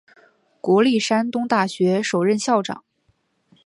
国立山东大学首任校长。